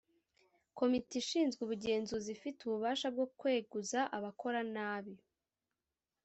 Komite ishinzwe ubugenzuzi ifite ububasha bwo kweguza abakora nabi